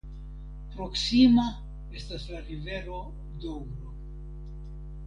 Proksima estas la rivero Doŭro.